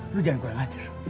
kenapa harus aku yang bayar